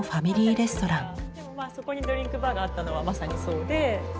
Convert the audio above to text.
そこにドリンクバーがあったのはまさにそうでそう。